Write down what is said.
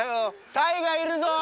タイがいるぞ！